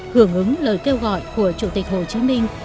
hưởng ứng lời kêu gọi của chủ tịch hồ chí minh